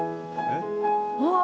えっ？